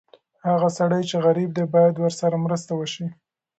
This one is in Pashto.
هغه سړی چې غریب دی، باید ورسره مرسته وشي.